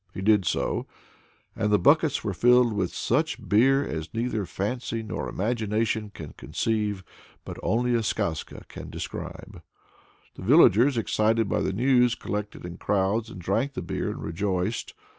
He did so, and the buckets were filled with "such beer as neither fancy nor imagination can conceive, but only a skazka can describe." The villagers, excited by the news, collected in crowds, and drank the beer and rejoiced.